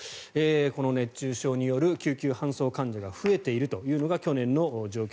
この熱中症による救急搬送患者が増えているというのが去年の状況